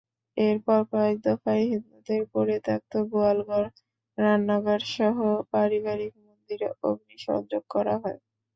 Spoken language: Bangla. এরপর কয়েক দফায় হিন্দুদের পরিত্যক্ত গোয়ালঘর, রান্নাঘরসহ পারিবারিক মন্দিরে অগ্নিসংযোগ করা হয়।